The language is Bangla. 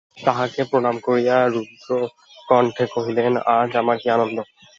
তাঁহাকে প্রণাম করিয়া রুদ্ধকণ্ঠে কহিলেন, আজ আমার কী আনন্দ।